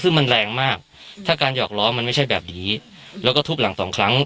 ซึ่งมันแรงมากถ้าการหอกล้อมันไม่ใช่แบบนี้แล้วก็ทุบหลังสองครั้ง